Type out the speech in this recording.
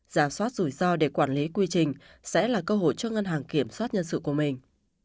giả soát rủi ro để quản lý quy trình sẽ là cơ hội cho ngân hàng kiểm soát nhân sự của mình